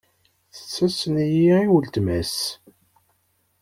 Tessasen-iyi i uletma-s.